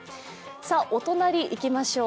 お隣いきましょう。